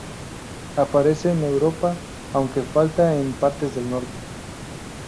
Aparece en Europa aunque falta en partes del norte.